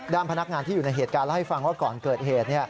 พนักงานที่อยู่ในเหตุการณ์เล่าให้ฟังว่าก่อนเกิดเหตุ